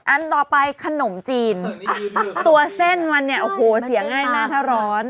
อันต่อไปขนมจีนตัวเส้นมันเนี่ยโอ้โหเสียง่ายมากถ้าร้อน